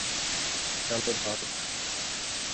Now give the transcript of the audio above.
Hello, dark.